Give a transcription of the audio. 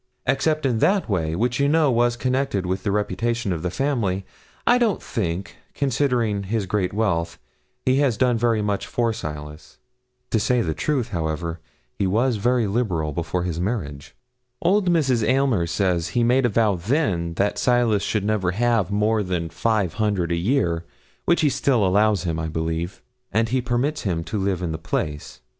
Except in that way which, you know, was connected with the reputation of the family I don't think, considering his great wealth, he has done very much for Silas. To say truth, however, he was very liberal before his marriage. Old Mrs. Aylmer says he made a vow then that Silas should never have more than five hundred a year, which he still allows him, I believe, and he permits him to live in the place.